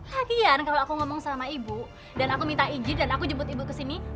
lagian kalau aku ngomong sama ibu dan aku minta ijin dan aku jemut ibu kesini